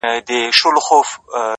• اوږده ورځ کرار کرار پر تېرېدو وه ,